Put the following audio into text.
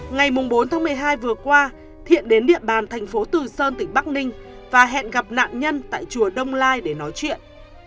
ngày bốn tháng một mươi hai vừa qua thiện đến địa bàn thành phố từ sơn tỉnh bắc ninh và hẹn gặp nạn nhân tại chùa đông lai để nói chuyện